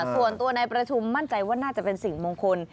ส่วนตัวนายประชุมมั่นใจว่าน่าจะเป็นสิ่งมงคล